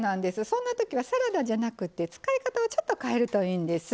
そんな時はサラダじゃなくって使い方をちょっと変えるといいんです。